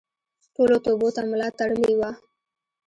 ټولو توبو ته ملا تړلې وه.